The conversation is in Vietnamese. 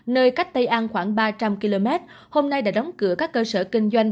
nơi cách tây an khoảng ba trăm linh km hôm nay đã đóng cửa các cơ sở kinh doanh